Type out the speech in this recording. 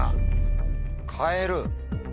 変える？